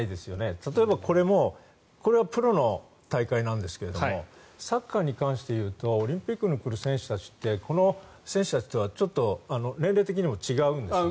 例えばこれもこれはプロの大会なんですがサッカーに関して言うとオリンピックに来る選手たちってこの選手たちとはちょっと年齢的にも違うんですね。